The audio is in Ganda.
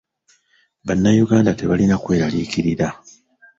Bannayuganda tebalina kweralikirira.